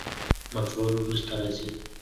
مفعول وروسته راځي.